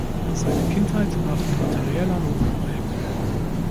Seine Kindheit war von materieller Not geprägt.